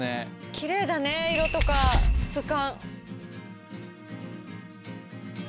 きれいだね色とか質感。